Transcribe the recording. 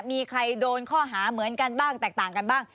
มีใครโดนข้อหาเหมือนกันบ้างแตกต่างกันบ้าง